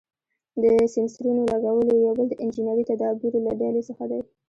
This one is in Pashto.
د سېنسرونو لګول یې یو بل د انجنیري تدابیرو له ډلې څخه دی.